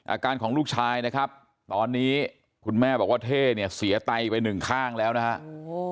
อาการของลูกชายนะครับตอนนี้คุณแม่บอกว่าเท่เนี่ยเสียไตไปหนึ่งข้างแล้วนะฮะ